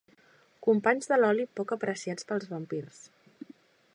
Companys de l'oli poc apreciats pels vampirs.